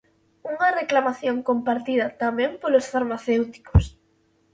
Unha reclamación compartida tamén polos farmacéuticos.